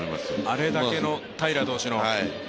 あれだけの平良投手の。